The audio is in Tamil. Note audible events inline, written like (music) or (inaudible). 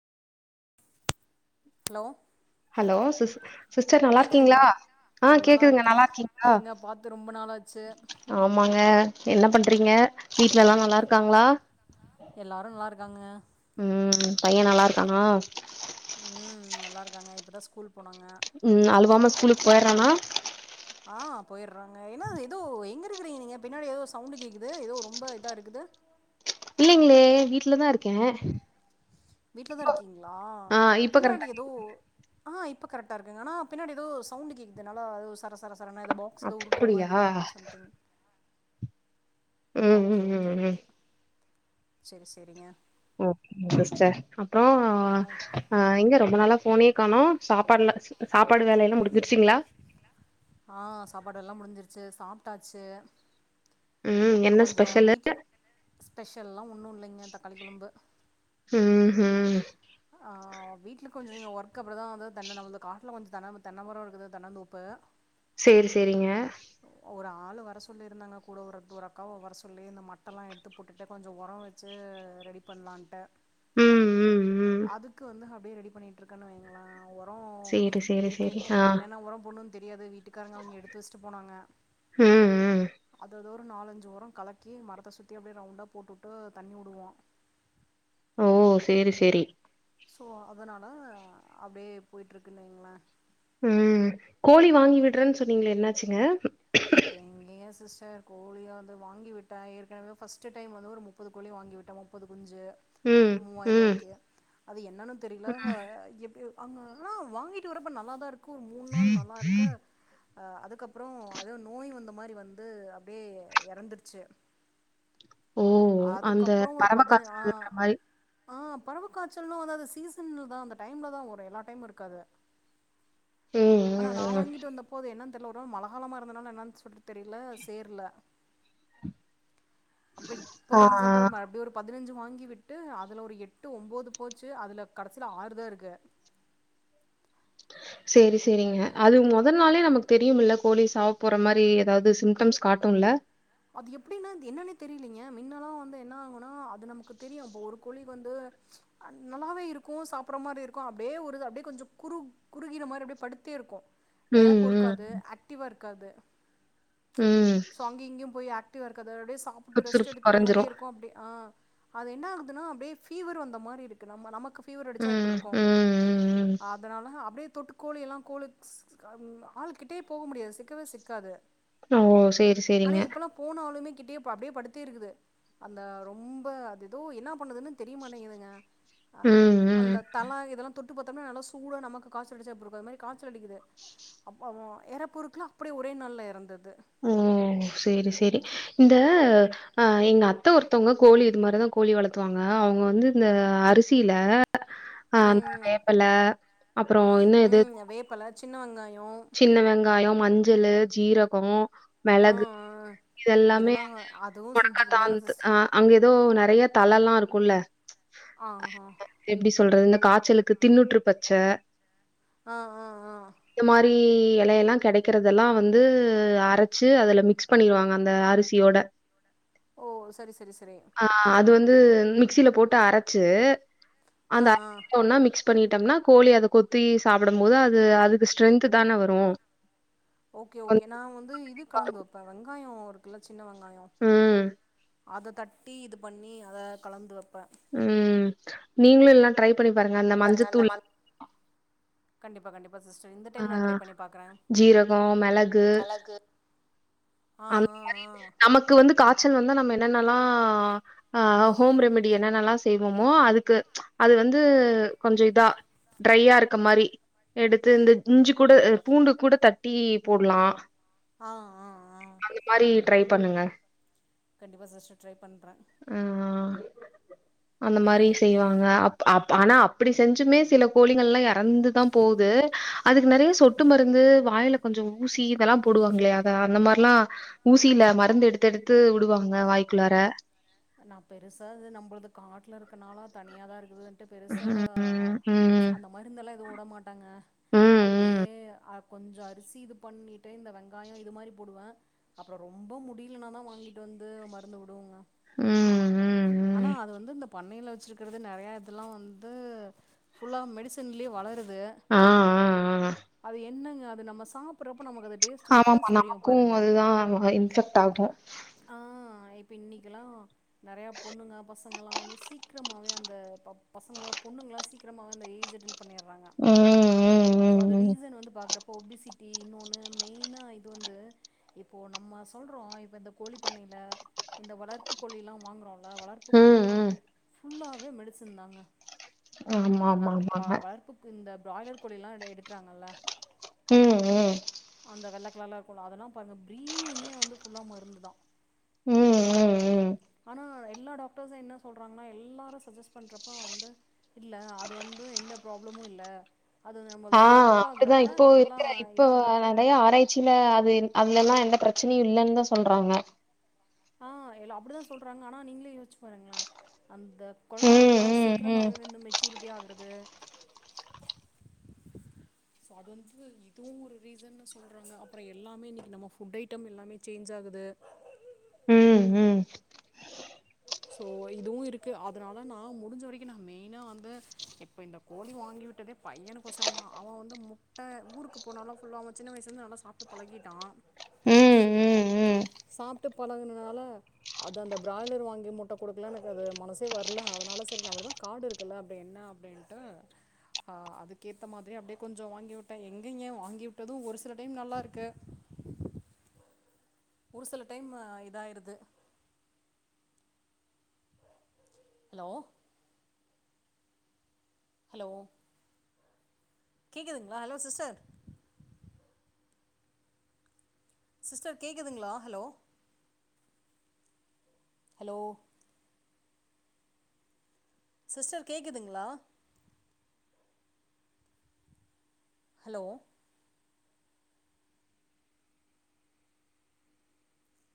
ஹலோ ஹலோ சிஸ் சிஸ்டர் நல்லா இருக்கீங்களா ஆ நல்லா கேக்குதுங்க இருக்கேன் இருக்கீங்களா எங்க பாத்து ரொம்ப நாளாச்சு ஆமாங்க என்ன பண்றீங்க வீட்டிலலா நல்லாருக்காங்ளா எல்லாரு நல்லா இருக்காங்க ம் பையே நல்லா இருக்கானா உம் நல்லா இருக்காங்க இப்பதா ஸ்கூல் போனாங்க ம் அலுவாம ஸ்கூலுக்கு போயிறானா ஆ போயிறாங்க என்னா ஏதோ எங்க இருக்கறீங்க நீங்க பின்னாடி ஏதோ ச சவுண்டு கேக்குது எதோ ரொம்ப இதாருக்குது இல்லைங்களே வீட்லதா இருக்கே வீட்லதா இருக்கீங்களா ஆ இப்ப பின்னாடி கரெக்டா எதோ ஆஹ் இப்ப கரெக்டா இருக்குங்க ஆனா பின்னடி ஏதோ சவுண்ட் கேக்குதுனால ஏதோ சர சர சர ஏதோ பவு ஸ்ல உருட்ற அப்படியா மாரி சம்திங் ம் ஓகே ம் ம் ஓகே ம் ஓகே சேரி சேரிங்க ஓகேங்க சிஸ்டர் அப்றோ ஆ உ எங்க ரெண்டு நாளா ஃபனே காணும் சாப்பாடுல சாப்பாடு வேலயெல்லா முடிஞ்சிருச்சிங்களா ஆ சாப்பாடு வேல முடிஞ்சிருச்சு சாப்டாச்சு ம் அப்புற என்ன கொஞ்சோ ஸ்பெஷலு வீட்ல ஸ்பெஷல்லா ஒன்னு இல்லங்க தக்காளி குழம்பு ம் ம் ஆ வீடல கொஞ்சோ ஒர்க் அப்றதா வந்து (unintelligible) காட்ல கொஞ்சோ தன் தென்ன மர இருக்குது தென்ன தோப்பு சேரி சேரிங்க ஒரு ஆள வர சொல்லி இருந்தாங்க கூட ஒரு தூர அக்காவ வர சொல்லி இந்த மட்ட எல்லா எடுத்து போட்டுட்டு கொஞ்சோ உர வச்சு ரெடி பண்ணலான்டு ம் ம் ம் அதுக்கு வந்து அப்டியே ரெடி பண்ணிட்டு இருக்கே வைங்கள உரம் சேரி சேரி இருக்கு சேரி ஆ எனக்கு என்னன்ன உரம் போட்ணு தெரியாது வீட்டுக்காரங்க அவிங்க எடுத்து வச்சுட் போனாங்க ம் ம் அத ஒரு ஒரு நாலஞ்சு ஒரொ கலக்கி மரத்தை சுத்தி அப்டியே ரவுண்டா போட்டுட்டு தண்ணி வுடுவோ ஓ சேரி சேரி ஸோ அதனால அப்டியே போயட்டுருக்கு வைங்களே ம் கோழிவாங்கி விடுறேன்னு சொன்னீங்களே என்னச்சுங்க எங்கங்கே சிஸ்டர் கோழிய வந்து வாங்கிவிட்டா ஏற்கனவே ஃபர்ஸ்ட் டைம் வந்து ஒரு முப் முப்பது கோழியு வாங்கிவிட்டோமா முப்பது குஞ்சு ம் ஒரு மூவாயிர ம் ரூவாய்க்கு அது என்னன்னு தெரியல எப்ப ஆமா ஆனா வாங்கிகிட்டு வரப்போ நல்லா தா இருக்கு ஒரு மூணு நாள் நல்லா இருக்க அதுக்கப்பறோ அது நோய் வந்த மாரி வந்து அப்படியே இறந்துடுச்சு ஓ அந்த அதுக்கப்பற ஒரு பறவ பதினி ஆ காய்ச்சல்ன்ற மாரி ஆ பறவ காய்ச்சலா அதாவது சீசன்ல தா அது அந்த டைம்ல தா வரு எல்லா டைமு இருக்காது ம் ஆனா ம் நா ம் வாங்கிட்டு வந்த போ அது என்ன தெர்ல ஒரு வேள மழ அழலமா இருந்தனால என்னன்னு சொல்லி தெரியல சேர்ல அப்ரோ இப்ப ஆ ஆ ரீசண்ட்டா மறுபடியு ஒரு பதினஞ்சு வாங்கி விட்டு அதுல ஒரு எட்டு ஒன்பது போச்சு அதுல கடசியில ஆறு தா இருக்கு சேரி சேரிங்க அது முத நாளே நமக்கு தெரியும்ல கோழி சாவப்போற மாரி ஏதாவது சிம்டம்ஸ் காட்டுன்ல அது எப்டின்னே என்னன்னே தெரியலங்க மின்னல்லா வந்து என்ன ஆகுனா அது நமக்கு தெரியு இப்ப ஒரு கோழி வந்து நல்லாவே இருக்கு சாப்பட்ற மாரி இருக்கு அப்டியே ஒரு அப்படி கொஞ்சோ குறு குறுகின மாரி அப்டியே படுத்தே இருக்கு இர ம் ம் பொறுக்காது ஆக்டிவா இருக்காது ம் சோ அங்கிங்கேயு போய் ஆக்டிவா இருக்கது அது அப்டியே சாப்ட்டு ரெஸ்ட் சுறுசுறுப்பு எடுக்ற மாரியே கொறஞ்சிரும். இருக்கு அப்டி ஆ அது என்ன ஆகுதுன்னா அப்டியே ஃபீவர் வந்த மாரி இருக்கு நம்ம நமக்கு பீவர் அடிச்சா ம் எப்டி இருக்கு ம் ம் அதனால அப்டியே தொட்டு கோழியெல்லா கோலீக்ஸ் ஆ ஆள்கிட்டயே போக முடியாது சிக்கவே சிக்காது ஓ செரி செரி ஆனா இப்பெல்லா போனாலளுமே கிட்டே அப்படியே படுத்தே இருக்குது அந்த ரொம்ப அது ஏதோ என்ன பண்ணதுனு தெரியமாட்டேங்குதுங்க ம் ம் அந்த தல இதெல்லா தொட்டு பாத்தோம்னா நல்லா சூடா நமக்கு காய்சல் அடைச்சா எப்டி இருக்கு அந்த மாரி காய்ச்சல் அடிக்குது அப்பா இற பொருக்குலா அப்டியே ஒரே நாளல்ல இறந்துடுது ம் செரி செரி இந்த அ எங்க அத்த ஒருத்தவங்க கோழி இது மாரிதா கோழி வளத்துவாங்க அவங்க வந்து இந்த அரிசியில ஆ ம் வேப்பல அப்றோ இன்னோ எது ம் வேப்பல, சின்ன வெங்காயோ சின்ன வெங்காயோ மஞ்சளு ஜீரகோ ஆ மெளகு ஆ இதெல்லாமே இதெல்லா அதுவு அந்த முடக்காத்தா செஞ்சுக்கிட்டு தா சிஸ் அ அங்க எதோ நெறைய தழலா இருக்குல்ல ஆ ஹா எப்டி சொல்றது இந்த காய்ச்சலுக்கு தின்னூற்று பச்ச ஆ ஆ ஆ இந்த மாரி எலயெல்லா கெடைக்கறதெல்லா வந்து அர ச்சு அதுல மிக்ஸ் பண்ணிடுவாங்க அந்த அரிசியோட ஓ செரி செரி செரி அ அது வந்து மிக்சில போட்டு அரச்சு ஆ அந்த (inaudible) ஆ மிக்ஸ் பண்ணிடம்னா கோழி அத கொத்தி சாப்டும்போது அது அதுக்கு ஸ்ட்ரென்த் தான வரு ஓகே ஓகே நா வந்து இது கலந்து வெப்பே வெங்காயோ இருக்குல சின்ன வெங்காயோ ம், அத தட்டி இது பண்ணி அத கலந்து வெப்பே உம் நீங்களு எல்லா ட்ரை பண்ணி பாருங்க இந்த அந்த மஞ்சத்தூள் மா கண்டிப்பா கண்டிப் (unintelligible) இந்த ஆ டைம் நா ட்ரை பண்ணி பாக்குற ஜீரகம், மிளகு ஆ ஆ ஆ க்கு வந்து காய்ச்சல் வந்தா நம்ம என்னென்னல்லா ஆ ஹோம் ரெமிடி என்னன்னலா செய்வமோ அதுக்கு அது வந்து கொஞ்ச இதா ட்ரையா இருக் க மாரி எடுத்து இந்த இஞ்சி கூட பூண்டு கூட தட்டி போட்லா ஆ ஆ ஆ அந்த மாரி ட்ரை பண்ணுங்க கண்டிப்பா சிஸ்டர் ட்ரை பண்ற ஆ அ அந்த மாரி செய்வாங்க அப் அப் ஆனா அப்டி செஞ்சுமே சில கோழிகள்லா எ நந்துதா போது அதுக்கு நெறைய சொட்டு மருந்து வாயில கொஞ்சொ ஊசி இதெல்லா போடுவாங்ளே அத அந்த மார் லா ஊசியில மருந்து எடுத்து எடுத்து வுடுவாங்க வாய்க்குள்ளார நா பெருசா இது நம்முளுது காட்ல இருக்கனால தனியாதா இருக்குதுன்ட்டு பெருசா ம் ம் அந்த மருந்தெல்லா எதுவுட மாட்டாங்க ம் ம் அப்டியே அ கொஞ்சோ அரிசி இது பண்ணிட்டு இந்த வெங்காயோ இது மாரி போடுவே அப்பறோ ரொம்ப முடியலனா தா வாங்கிட்டு வந்து மருந்து வுடுவோங்க ம் ம் ஆனா ம் அது வந்து இந்த பண்ணையில வச்சிருக்கிறது நெறைய இதெல்லா வந்து ஃபுல்லா மெடிசன்லே வளரு து ஆ ஆ அது என்னங்க அது நம்ம சாப்பட்றப்ப நமக்கு அது டேஸ்ட் ஆமாமா டிஃப்ரென்ஸ் தெரியு நமக்கு பாருங்க அதுதா இன்ஃபெக்ட் ஆகு ஆ இப்ப இன்னிக்கெலா நெறைய பொண்ணுங்க பசங்களா வந்து சீக்கிரமாவே அந்த ப பசங்களா பொண்ணுங்ளா சீக்கிரமாவே அந்த ஏஜ் அட்டன் பண்ணிற்றாங்க ம் சோ அது ம் ரீசன் வந்து பாக்றப்போ ஒபிசி டி இன்னொன்னு மெய்னா இது வந்து இப்போ நம்ம சொல்றோ இப்ப இந்த கோழி பண்ணைல இந்த வளர்ப்பு கோழிலா வாங்குறோல்ல வளர்ப்பு ம் ம் கோழிலிலா ம் ம் ஃபுல்லாவே மெடிசன் தாங்க ஆமா இப்போ ஆமா வா ஆமாங்க வளர்பு க்கு இந்த பிராய்லர் கோழலா டே எடுக்கிறாங்கல்ல ம் ம் அந்த வெள நல்லா இருக்குல்லா அதெல்லா பாருங்க ப்ரீடிங்கே வந்து ஃபுல்லா மருந்து தா ம் ம் ம் ஆனா எல்லா டாக்டர்சு என்ன சொல்றாங்ன்னா எல்லாரு சஜெஸ்ட் பண்றப்ப வந்து இல்ல அது வந்து எந்த ப்ராப்ளமு இல்ல அது ஆ நம்மளது வந்து குக் அப்டிதா ஆகுறப்ப இப்போ நல்லா இருக்கிற இப்போ இதாகுறப்ப நெறைய ஆராய்ச் ச்சில அது அதுலெல்லா எந்த பிரச்சனையு இல்லன் தா சொல்றாங்க ஆ எல்ல அப்டிதா சொல்றாங்க ஆனா நீங்களே யோசிச்சு பாருங்களே அந்த ம், குழந்தைங்கலா ம், ம். சீக்கிரமாகவே வந்து மெச்சூரிட்டி ஆகுறது சோ அது வந்து இதுவு ஒரு ரீசன்னு சொல்றாங்க அப்பறோ எல்லாமே இன்னைக்கு நம்ம ஃபுட் ஐட்டம் எல்லாமே சேன்ஜ் ஆகுது ம் ம் சோ இதுவு இருக்கு அதனால நா முடிஞ்ச வரைக்கு நா மெயினா வந்து இப்ப இந்த கோழி வாங்கி விட்டதே பையனுக்கோசரோ தா அவ வந்து முட்ட ஊருக்கு போனாலு ஃபுல்லா அவ சின்ன வயசுலந்து நல்ல சாப்டு பலகிட்டா ம், ம், ம். சாப்டு பழகுனதுனால அது அந்த பிராய்லர் வாங்கி முட்டை கொடுக்குல எனக்கு அது மனசே வர்ல அதனால சரி நம்மளதா காடு இருக்குல அப்டி என்ன அப்டி த அ அதுக்கேத்த மாதிரி அப்டே கொஞ்சோ வாங்கி விட்டே எங்க ஏ வாங்கி விட்டது ஒரு சில டைம் நல்லாருக்கு ஒரு சில டைம் இதாயிருது ஹலோ ஹலோ கேக்குதுங்களா ஹலோ சிஸ்டர் சிஸ்டர் கேக்குதுங்களா ஹலோ ஹலோ சிஸ்டர் கேக்குதுங்களா ஹலோ